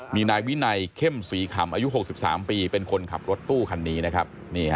มีนายวินัยเข้มศรีขำอายุ๖๓ปีเป็นคนขับรถตู้คันนี้นะครับ